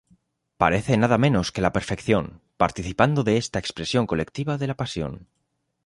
Parece nada menos que la perfección, participando de esta expresión colectiva de la pasión.